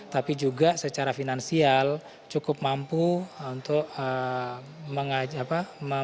tapi juga secara finansial cukup mampu untuk mengajak